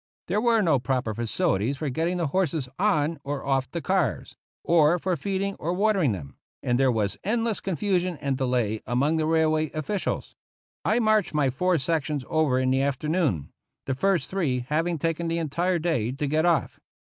There were no proper facilities for getting the horses on or off the cars, or for feeding or watering them ; and there was endless confusion and delay among the railway officials. I marched my four sections over in the afternoon, the first three having taken the entire day to get off.